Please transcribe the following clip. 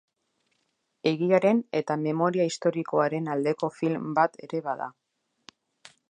Egiaren eta memoria historikoaren aldeko film bat ere bada.